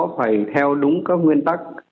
phải theo đúng các nguyên tắc